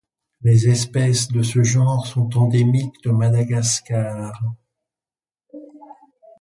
Les espèces de ce genre sont endémiques de Madagascar.